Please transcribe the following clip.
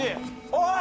おい！